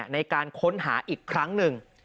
ในการค้นหาอีกครั้งหนึ่ง